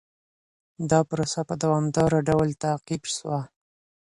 دا پروسه په دوامداره ډول تعقيب سوه.